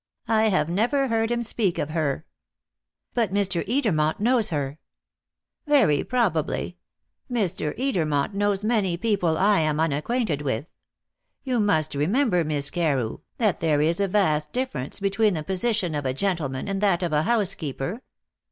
I have never heard him speak of her." "But Mr. Edermont knows her." "Very probably. Mr. Edermont knows many people I am unacquainted with. You must remember, Miss Carew, that there is a vast difference between the position of a gentleman and that of a housekeeper."